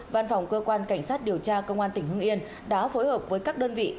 văn phòng cơ quan cảnh sát điều tra công an tỉnh hưng yên đã phối hợp với các đơn vị